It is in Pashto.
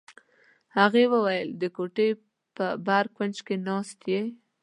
هغې وویل: د کوټې په بر کونج کې ناست یې.